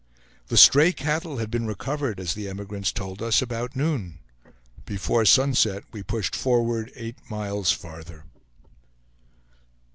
The stray cattle had been recovered, as the emigrants told us, about noon. Before sunset, we pushed forward eight miles farther.